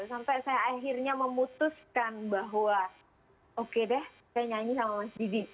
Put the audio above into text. sampai saya akhirnya memutuskan bahwa oke deh saya nyanyi sama mas didi